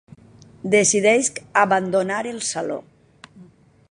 Decideix abandonar el saló?